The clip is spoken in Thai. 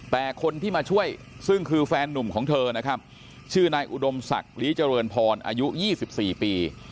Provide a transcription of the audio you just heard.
แต่คนที่มาช่วยซึ่งคือแฟนนุ่มของเธอนะครับชื่อนายอุดมศักดิ์ลีเจริญพรอายุ๒๔ปี